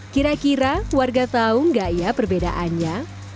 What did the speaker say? kira kira warga tahu nggak ya perbedaannya